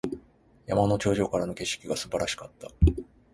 山の頂上からの景色が素晴らしかった。